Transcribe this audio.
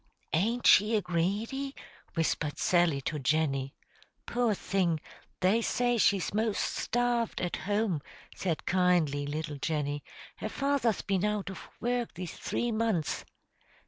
"Ain't she a greedy?" whispered Sally to Jenny. "Poor thing! they say she's most starved at home," said kindly little Jenny. "Her father's been out of work these three months."